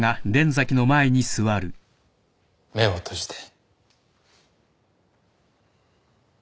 目を閉じて。